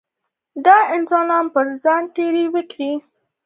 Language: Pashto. د انسانانو پر ځان تېری وکړي.